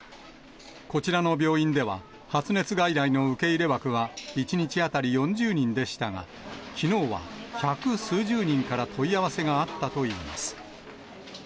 こちらの病院では、発熱外来の受け入れ枠は１日当たり４０人でしたが、きのうは百数十人から問い合わせがあったといいます。